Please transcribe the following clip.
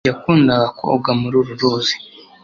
yakundaga koga muri uru ruzi